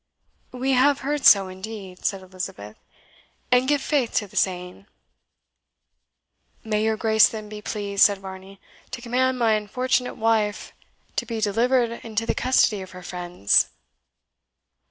"We have heard so, indeed," said Elizabeth, "and give faith to the saying." "May your Grace then be pleased," said Varney, "to command my unfortunate wife to be delivered into the custody of her friends?"